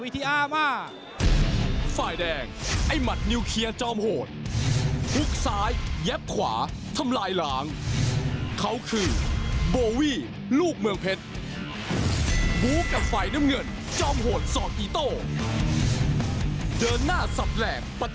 แต่ไม่รู้ว่าใครจะลงไปบอกได้คำเดียวว่าอย่ากระพริบตานะครับ